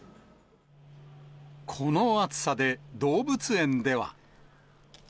この暑さで、動物園では。